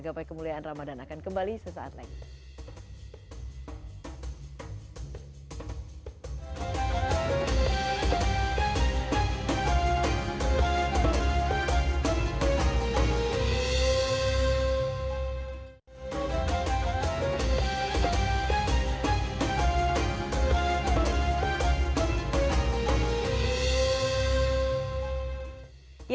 gapai kemuliaan ramadan akan kembali sesaat lagi